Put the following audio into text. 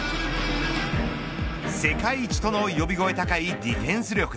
世界一との呼び声高いディフェンス力。